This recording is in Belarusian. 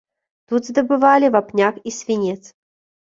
Тут здабывалі вапняк і свінец.